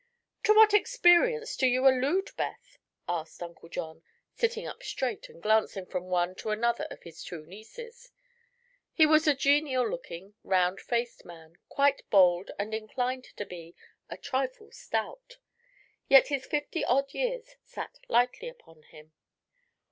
"To what experience do you allude, Beth?" asked Uncle John, sitting up straight and glancing from one to another of his two nieces. He was a genial looking, round faced man, quite bald and inclined to be a trifle stout; yet his fifty odd years sat lightly upon him.